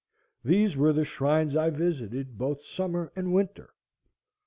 These were the shrines I visited both summer and winter.